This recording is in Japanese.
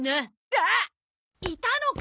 わあっ！いたのか！？